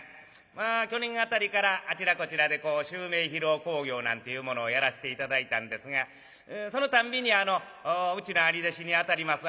まあ去年辺りからあちらこちらで襲名披露興行なんていうものをやらして頂いたんですがそのたんびにうちの兄弟子にあたります